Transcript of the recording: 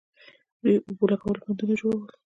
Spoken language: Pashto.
دوی د اوبو لګولو بندونه جوړول